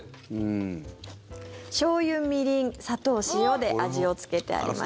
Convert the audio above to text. しょうゆ、みりん、砂糖、塩で味をつけてあります。